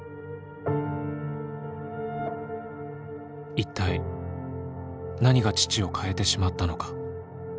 一体何が父を変えてしまったのか。